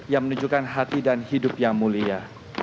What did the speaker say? yang menunjukkan hati dan hidup yang mulia